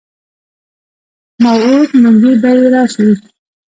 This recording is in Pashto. موعود منجي به یې راشي.